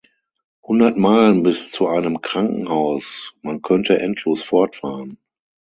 Hundert Meilen bis zu einem Krankenhaus man könnte endlos fortfahren.